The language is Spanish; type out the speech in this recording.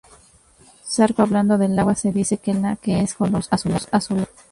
Zarco: hablando del agua, se dice de la que es color azulado.